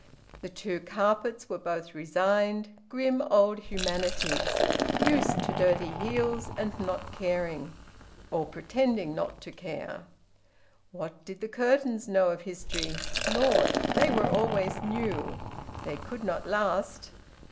The two carpets were both resigned, grim old humanities, used to dirty heels, and not caring, or pretending not to care. What did the curtains know of history? Naught. They were always new; they could not last.